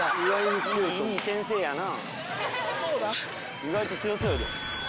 いい先生やな。